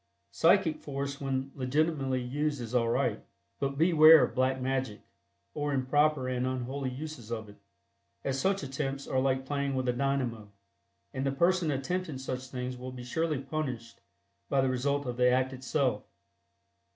Psychic force when legitimately used is all right, but beware of "black magic" or improper and unholy uses of it, as such attempts are like playing with a dynamo, and the person attempting such things will be surely punished by the result of the act itself.